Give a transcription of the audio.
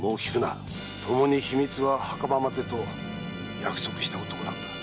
ともに秘密は墓場までと約束した男だ。